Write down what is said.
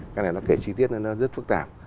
cái này nó kể chi tiết nên nó rất phức tạp